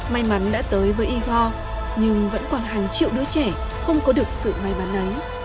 may mắn đã tới với igor nhưng vẫn còn hàng triệu đứa trẻ không có được sự may mắn ấy